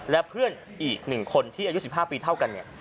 และเพื่อนอีก๑คนที่อายุ๑๕ปีเท่ากันเนี่ย